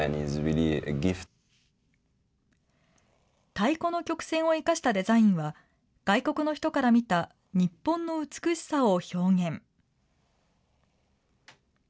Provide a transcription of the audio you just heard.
太鼓の曲線を生かしたデザインは、外国の人から見た日本の美しさを表現。